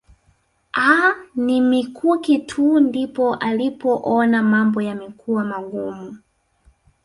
Aah ni mikuki tu ndipo alipoona mambo yamekuwa magumu